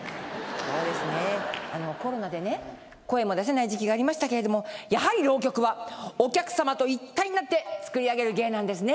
コロナでね声も出せない時期がありましたけれどもやはり浪曲はお客様と一体になって作り上げる芸なんですね。